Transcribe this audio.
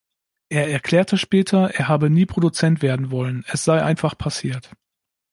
Er erklärte später, er habe nie Produzent werden wollen, es sei einfach passiert.